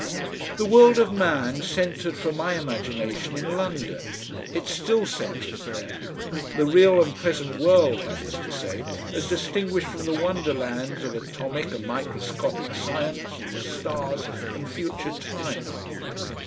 The world of man centred for my imagination in London, it still centres there; the real and present world, that is to say, as distinguished from the wonder lands of atomic and microscopic science and the stars and future time.